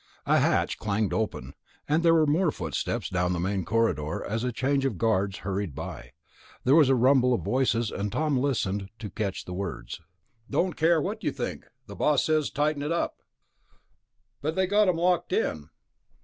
A hatch clanged open, and there were more footsteps down the main corridor as a change of guards hurried by. There was a rumble of voices, and Tom listened to catch the words. "... don't care what you think, the boss says tighten it up...." "But they got them locked in...."